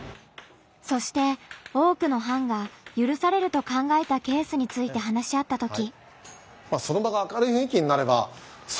そして多くの班が「ゆるされる」と考えたケースについて話し合ったとき。